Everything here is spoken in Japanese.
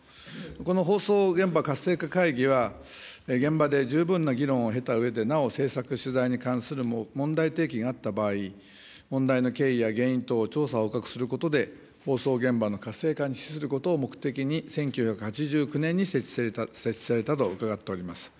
この放送現場活性化会議は、現場で十分な議論を経たうえで、なお制作、取材に関する問題提起があった場合、問題の経緯や原因等を調査、報告することで、放送現場の活性化に資することを目的に、１９８５年に設置されたと伺っております。